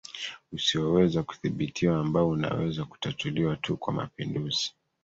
usioweza kudhibitiwa ambao unaweza kutatuliwa tu kwa mapinduzi